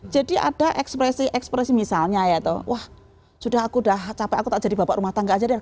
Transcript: jadi ada ekspresi ekspresi misalnya ya tuh wah sudah aku udah capek aku tak jadi bapak rumah tangga aja deh